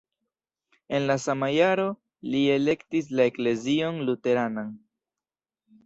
En la sama jaro li elektis la eklezion luteranan.